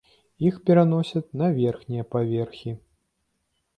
Іх пераносяць на верхнія паверхі.